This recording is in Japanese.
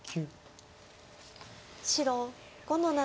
白５の七。